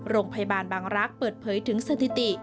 โรงพยาบาลบางรักษ์เปิดเผยถึงสถิติ